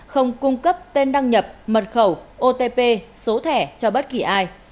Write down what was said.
không cung cấp tên đăng nhập mật khẩu otp số thẻ cho bất kỳ ai